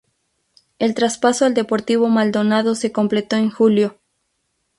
El traspaso al Deportivo Maldonado se completó en julio.